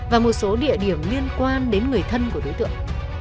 và một số địa điểm liên quan đến người thân của đối tượng